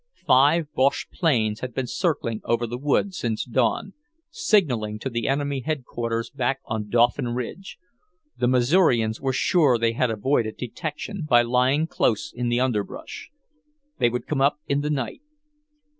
Five Boche planes had been circling over the wood since dawn, signalling to the enemy Headquarters back on Dauphin Ridge; the Missourians were sure they had avoided detection by lying close in the under brush. They would come up in the night.